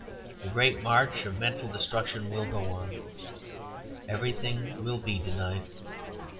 The great march of mental destruction will go on. Everything will be denied.